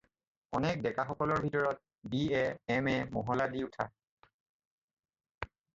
অনেক ডেকাসকলৰ ভিতৰত বি-এ, এম-এ, মহলা দি উঠা